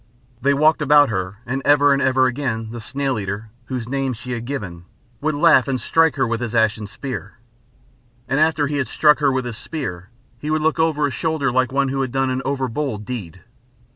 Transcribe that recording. They walked about her, and ever and again the Snail eater, whose name she had given, would laugh and strike her with his ashen spear. And after he had struck her with his spear, he would look over his shoulder like one who had done an over bold deed.